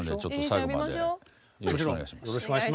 最後までよろしくお願いします。